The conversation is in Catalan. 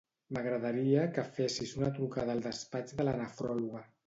M'agradaria que fessis una trucada al despatx de la nefròloga.